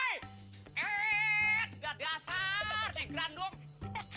eh datang ke asal di grandong